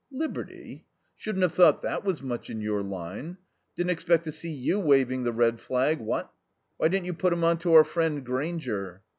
"Liberty? Shouldn't have thought that was much in your line. Didn't expect to see you waving the red flag, what? Why didn't you put him on to our friend Grainger?"